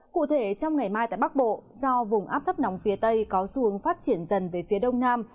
cụ thể trong ngày mai tại bắc bộ do vùng áp thấp nóng phía tây có xu hướng phát triển dần về phía đông nam